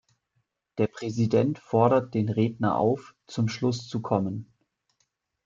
Der Präsident fordert den Redner auf, zum Schluss zu kommen.